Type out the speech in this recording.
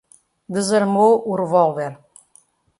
Desarmou o revólver